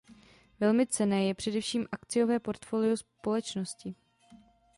Velmi cenné je především akciové portfolio společnosti.